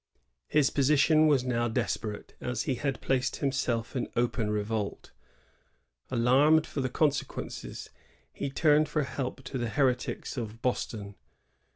His position was now desperate, for he had placed himself in open revolt. Alarmed for the conse quences, he turned for help to the heretics of Boston.